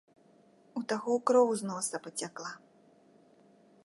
У таго кроў з носа пацякла.